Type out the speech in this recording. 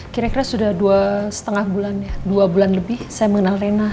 kira kira sudah dua setengah bulan ya dua bulan lebih saya mengenal rena